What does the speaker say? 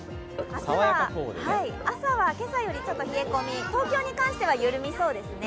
明日は朝は今朝よりちょっと冷え込みが東京に関しては緩みそうですね。